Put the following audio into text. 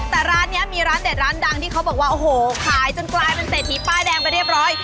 แต่ร้านนี้มีร้านเด็ดร้านดังที่เขาบอกว่าโอ้โหขายจนกลายเป็นเศรษฐีป้ายแดงไปเรียบร้อย